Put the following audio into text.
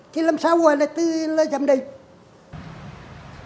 thì làm sao gọi là tư là giám định